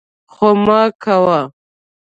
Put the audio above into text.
خو مه کوه!